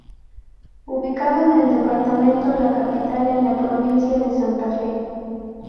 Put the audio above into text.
Ubicado en el Departamento La Capital en la provincia de Santa Fe.